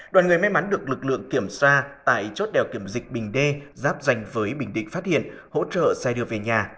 đoàn người may mắn được lực lượng kiểm tra tại chốt đèo kiểm dịch bình d giáp danh với bình định phát hiện hỗ trợ xe đưa về nhà